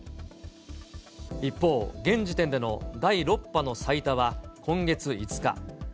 一方、現時点での第６波の最多は今月５日。